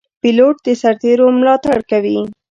پیلوټ د سرتېرو ملاتړ کوي.